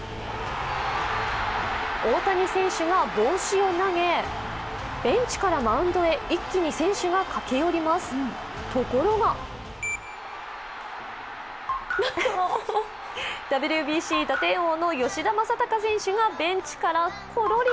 大谷選手が帽子を投げ、ベンチからマウンドへ一気に選手たちが駆け寄ります、ところがＷＢＣ打点王の吉田正尚選手がベンチからころり。